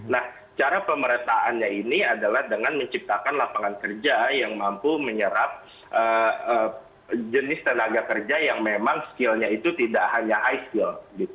nah cara pemerataannya ini adalah dengan menciptakan lapangan kerja yang mampu menyerap jenis tenaga kerja yang memang skillnya itu tidak hanya ice skill